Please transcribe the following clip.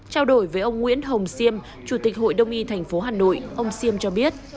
trao đổi với ông nguyễn hồng xiêm chủ tịch hội đồng y thành phố hà nội ông siêm cho biết